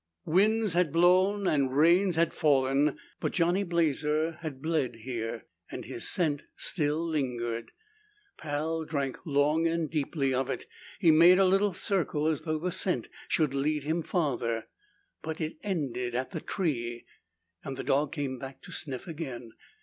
Winds had blown and rains had fallen, but Johnny Blazer had bled here and his scent still lingered. Pal drank long and deeply of it. He made a little circle, as though the scent should lead him farther. But it ended at the tree, and the dog came back to sniff again.